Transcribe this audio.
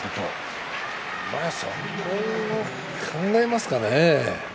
そんなこと考えますかね？